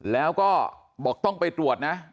แล้วก็บอกต้องไปตรวจนะ